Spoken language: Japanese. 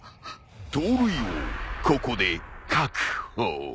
盗塁王ここで確保。